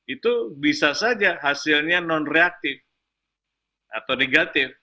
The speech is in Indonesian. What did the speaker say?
itu bisa saja hasilnya non reaktif atau negatif